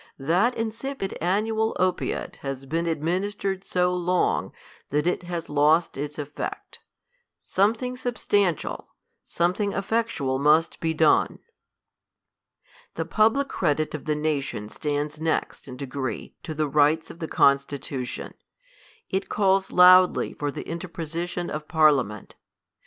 That insipid annual opiate has been ad ministered so long, that it has lost its effect. Some thing substantial, something effectual must be done. The public credit of the nation stands next in degree to the rights of the constitution; it calls loudly for the^ interposition of Parliament.